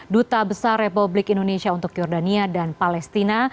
duta besar republik indonesia untuk jordania dan palestina